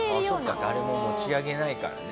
そっか誰も持ち上げないからね。